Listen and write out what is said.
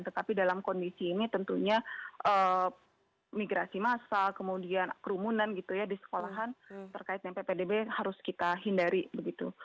tetapi dalam kondisi ini tentunya migrasi massal kemudian kerumunan gitu ya di sekolahan terkait dengan ppdb harus kita hindari begitu